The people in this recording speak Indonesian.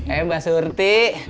eh mbak surti